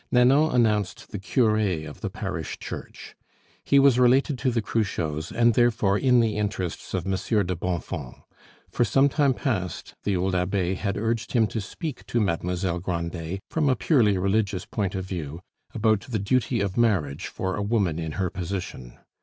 Nanon announced the cure of the parish church. He was related to the Cruchots, and therefore in the interests of Monsieur de Bonfons. For some time past the old abbe had urged him to speak to Mademoiselle Grandet, from a purely religious point of view, about the duty of marriage for a woman in her position.